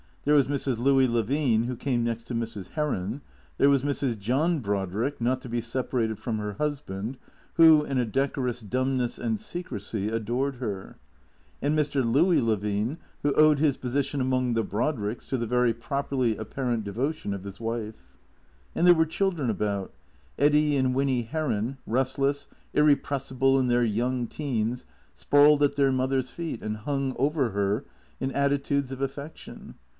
There was Mrs. Louis Levine, who came next to Mrs. Heron. There was Mrs. John Brodrick, not to be separated from her husband, who, in a decorous dumbness and secrecy, adored her; and Mr. Louis Levine, who owed his position among the Brodricks to the very properly apparent devotion of his wife. And there were children about. Eddy and Winny Heron, restless, irrepressible in their young teens, sprawled at their mother's feet and hung over her in attitudes of affection.